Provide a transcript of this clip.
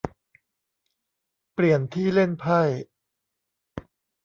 เปลี่ยนที่เล่นไพ่